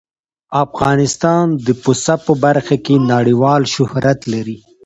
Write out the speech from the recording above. افغانستان د پسه په برخه کې نړیوال شهرت لري.